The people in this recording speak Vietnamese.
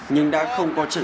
nhưng đã không có trận